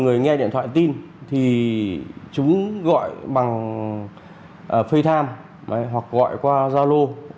người nghe điện thoại tin thì chúng gọi bằng facetime hoặc gọi qua zalo